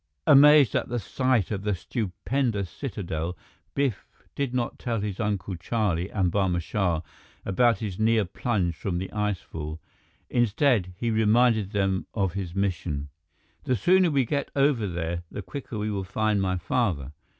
Amazed at the sight of the stupendous citadel, Biff did not tell his Uncle Charlie and Barma Shah about his near plunge from the icefall. Instead, he reminded them of his mission: "The sooner we get over there, the quicker we will find my father."